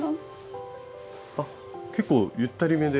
あっ結構ゆったりめで。